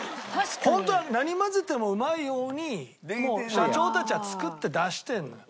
ホントは何混ぜてもうまいようにもう社長たちは作って出してんのよ。